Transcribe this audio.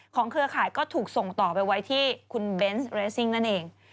เครือข่ายก็ถูกส่งต่อไปไว้ที่คุณเบนส์เรสซิ่งนั่นเอง